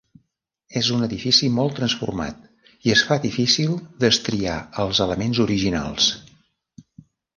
És un edifici molt transformat, i es fa difícil destriar els elements originals.